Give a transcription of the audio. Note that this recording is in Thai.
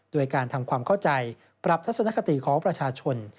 โดยการทำความเข้าใจปรับทัศนคติของประชาชน